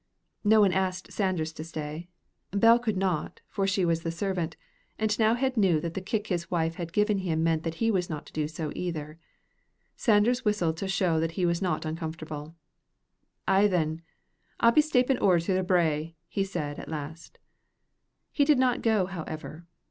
No one asked Sanders to stay. Bell could not, for she was but the servant, and T'nowhead knew that the kick his wife had given him meant that he was not to do so either. Sanders whistled to show that he was not uncomfortable. "Ay, then, I'll be stappin' ower the brae," he said at last. He did not go, however.